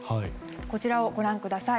こちらをご覧ください。